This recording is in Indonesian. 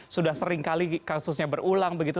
sudah sering kali kasusnya berulang begitu